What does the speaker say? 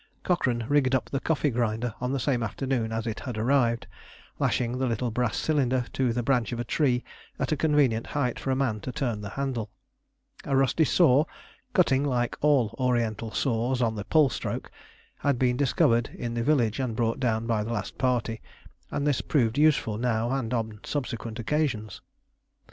Cochrane rigged up the coffee grinder on the same afternoon as it had arrived lashing the little brass cylinder to the branch of a tree at a convenient height for a man to turn the handle. A rusty saw, cutting like all Oriental saws on the pull stroke, had been discovered in the village and brought down by the last party, and this proved useful now and on subsequent occasions.